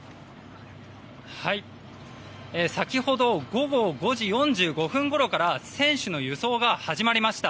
先ほど午後５時４５分ごろから選手の輸送が始まりました。